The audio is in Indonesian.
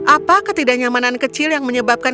apa ketidaknyamanan kecil yang menyebabkan